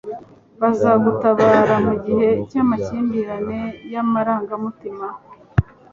bazagutabara mugihe cy'amakimbirane y'amarangamutima